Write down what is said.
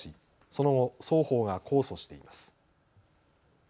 その後、双方が控訴しています。